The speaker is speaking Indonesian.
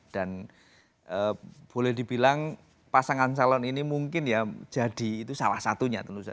dan boleh dibilang pasangan salon ini mungkin ya jadi itu salah satunya tentu saja